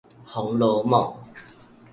紅樓夢